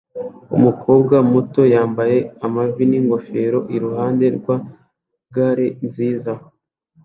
Umukobwa muto yambaye amavi n'ingofero iruhande rwa gare nziza